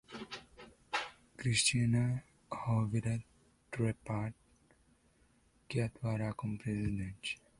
Cristina Rovira Trepat, que atuará como presidente.